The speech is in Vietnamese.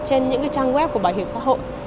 trên những trang web của bảo hiểm xã hội